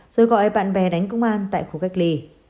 rồi gọi bạn bè đánh công an tại khu cách ly